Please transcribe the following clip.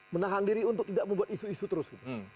menahan diri untuk tidak membuat isu isu terus gitu